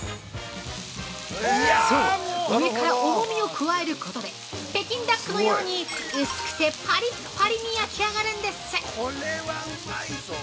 ◆そう上から重みを加えることで、北京ダックのように薄くてパリッパリに焼き上がるんです。